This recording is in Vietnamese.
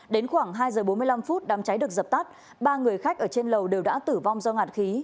đến khoảng hai giờ bốn mươi năm phút đám cháy được dập tắt ba người khách ở trên lầu đều đã tử vong do ngạt khí